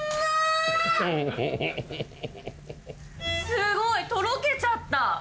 すごいとろけちゃった。